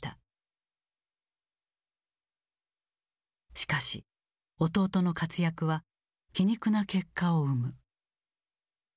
しかし弟の活躍は皮肉な結果を生む。